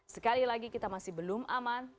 sekali lagi kita masih belum aman